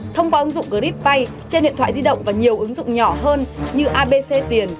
thông qua ứng dụng grip vay trên điện thoại di động và nhiều ứng dụng nhỏ hơn như abc tiền